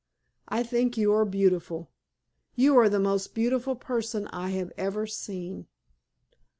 I think you are beautiful. You are the most beautiful person I have ever seen."